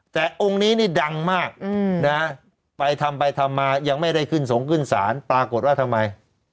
แต่องค์นี้นี่ดังมากนะไปทำไปทำมายังไม่ได้ขึ้นสงขึ้นศาลปรากฏว่าทำไม